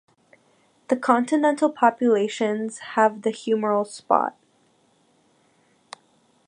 The continental populations have the humeral spot.